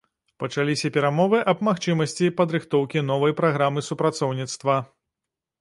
Пачаліся перамовы аб магчымасці падрыхтоўкі новай праграмы супрацоўніцтва.